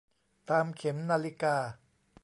ตามเข็มนาฬิกา